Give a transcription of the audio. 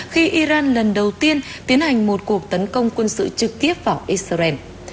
khi iran lần đầu tiên tiến hành một cuộc tấn công quân sự trực tiếp vào israel